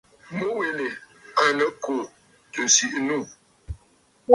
Mu yìli à nɨ kù tɨ̀ sìʼì nû.